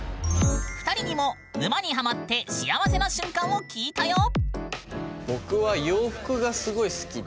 ２人にも沼にハマって幸せな瞬間を聞いたよ。